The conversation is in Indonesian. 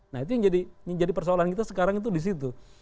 nah itu yang jadi persoalan kita sekarang itu disitu